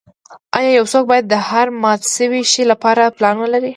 ایا یو څوک باید د هر مات شوي شی لپاره پلان ولري